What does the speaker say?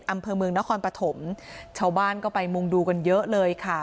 อำเภอเมืองนครปฐมชาวบ้านก็ไปมุงดูกันเยอะเลยค่ะ